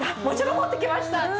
もちろん持ってきました。